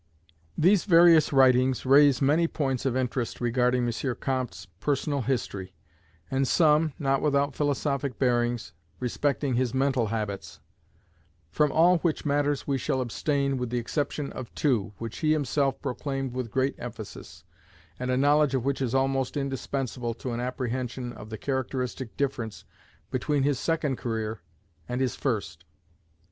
These various writings raise many points of interest regarding M. Comte's personal history, and some, not without philosophic bearings, respecting his mental habits: from all which matters we shall abstain, with the exception of two, which he himself proclaimed with great emphasis, and a knowledge of which is almost indispensable to an apprehension of the characteristic difference between his second career and his first.